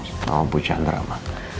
sama bu chandra ma